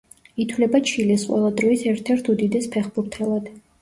ითვლება ჩილეს ყველა დროის ერთ-ერთ უდიდეს ფეხბურთელად.